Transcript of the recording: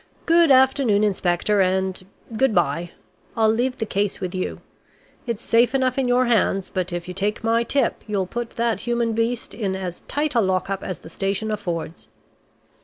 Good afternoon, Inspector and good bye. I'll leave the case with you. It's safe enough in your hands, but if you take my tip you'll put that human beast in as tight a lock up as the station affords."